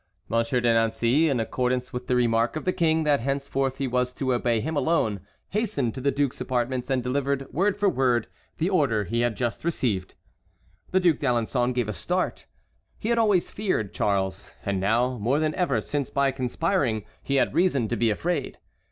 Monsieur de Nancey, in accordance with the remark of the King that henceforth he was to obey him alone, hastened to the duke's apartments and delivered word for word the order he had just received. The Duc d'Alençon gave a start. He had always feared Charles, and now more than ever since by conspiring he had reason to be afraid.